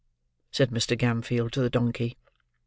said Mr. Gamfield to the donkey.